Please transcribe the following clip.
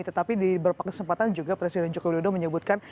tetapi di beberapa kesempatan juga presiden jokowi dodo menyebutkan